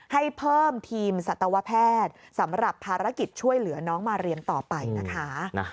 ให้เพิ่มทีมสัตวแพทย์สำหรับภารกิจช่วยเหลือน้องมาเรียนต่อไปนะคะ